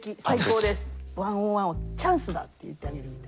１ｏｎ１をチャンスだって言ってあげるみたいな。